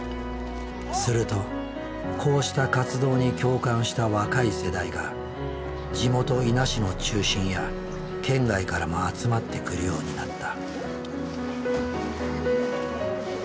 するとこうした活動に共感した若い世代が地元伊那市の中心や県外からも集まってくるようになった。